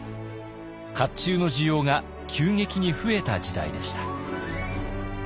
甲冑の需要が急激に増えた時代でした。